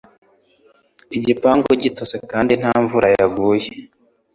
Igipangu gitose kandi nta mvura yaguye